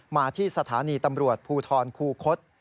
มาที่สถานีตำรวจภูทรคูคศ